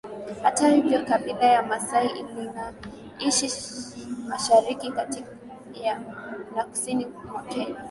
Hata hivyo kabila la Masai linaishi mashariki kati na kusini mwa Kenya